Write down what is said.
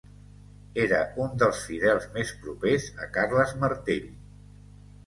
Era un dels fidels més propers a Carles Martell.